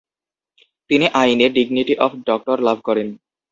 তিনি আইনে dignity of doctor লাভ করেন।